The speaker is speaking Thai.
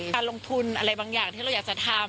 การลงทุนอะไรบางอย่างที่เราอยากจะทำ